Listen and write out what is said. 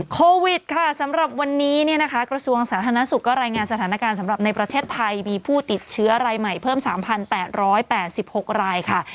โควิดค่ะสำหรับวันนี้เนี่ยนะคะกระทรวงสาธารณสุขก็รายงานสถานการณ์สำหรับในประเทศไทยมีผู้ติดเชื้อรายใหม่เพิ่ม๓๘๘๖รายค่ะ